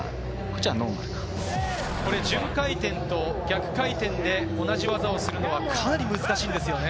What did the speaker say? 順回転と逆回転で同じ技をするのはかなり難しいんですよね？